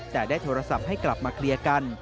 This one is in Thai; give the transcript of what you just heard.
แต่ได้โทรศัพท์ให้กลับมาเคลียร์กัน